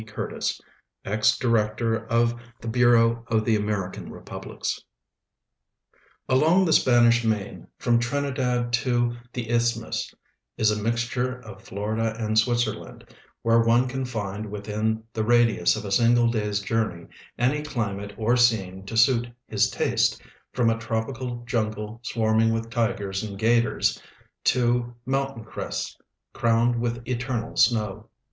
Curtis, Ex Director of the Bureau of the American Republics Along the Spanish main, from Trinidad to the isthmus, is a mixture of Florida and Switzerland, where one can find 'wdthin the radius of a single day's journey any climate or scene to suit his taste, from a tropical jungle swai'ining with tigers and 'gators to mountain crests crowned with eternal snow.